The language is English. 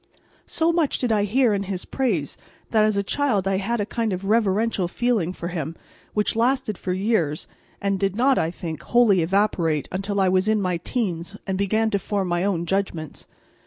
So much did I hear in his praise that as a child I had a kind of reverential feeling for him, which lasted for years and did not, I think, wholly evaporate until I was in my teens and began to form my own judgments.